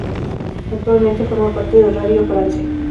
Actualmente forma parte de "Radio France".